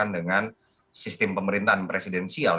dengan sistem pemerintahan presidensial